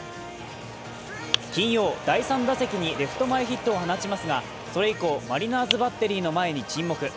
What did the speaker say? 金曜、第３打席にレフト前ヒットを放ちますがそれ以降、マリナーズバッテリーの前に沈黙。